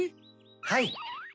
はい。